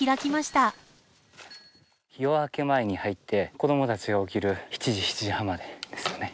夜明け前に入って子どもたちが起きる７時７時半までですよね。